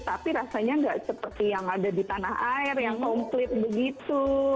tapi rasanya nggak seperti yang ada di tanah air yang komplit begitu